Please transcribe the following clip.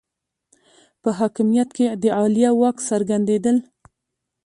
په حاکمیت کې د عالیه واک څرګندېدل